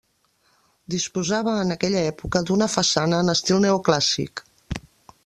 Disposava en aquella època d'una façana en estil neoclàssic.